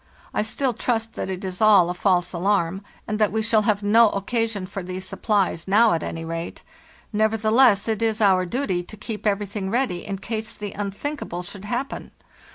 I still trust that it is all a false alarm, and that we shall have no occasion for these supplies now, at any rate; nevertheless, it is our duty to keep everything ready in case the unthinkable should happen.